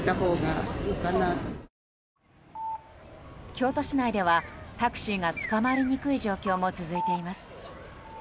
京都市内ではタクシーがつかまりにくい状況も続いています。